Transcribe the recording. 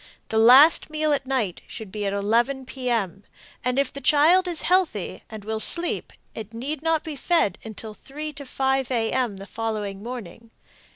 The last meal at night should be at 11 p. m., and if the child is healthy and will sleep it need not be fed until 3 to 5 a. m. the following morning.